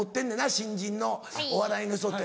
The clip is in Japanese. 新人のお笑いの人って。